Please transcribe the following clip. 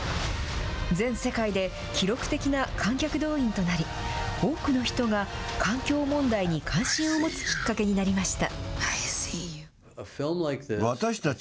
全世界で記録的な観客動員となり、多くの人が環境問題に関心を持つきっかけになりました。